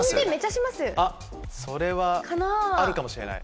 あっそれはあるかもしれない。